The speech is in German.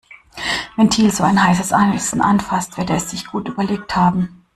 Wenn Thiel so ein heißes Eisen anfasst, wird er es sich gut überlegt haben.